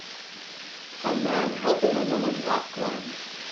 A man helping a woman rock climb